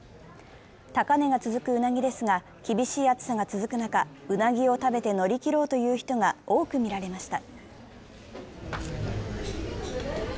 高値が続くうなぎですが、厳しい暑さが続く中、うなぎを食べて乗り切ろうという人が多く見られました。